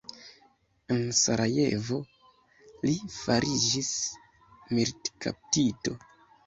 En Sarajevo li fariĝis militkaptito.